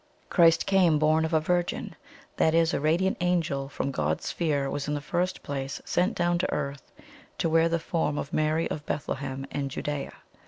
"Christ came, born of a Virgin; that is, a radiant angel from God's Sphere was in the first place sent down to Earth to wear the form of Mary of Bethlehem, in Judea.